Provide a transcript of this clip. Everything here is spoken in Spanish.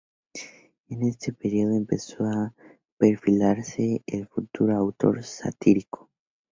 En este período empezó a perfilarse el futuro autor satírico.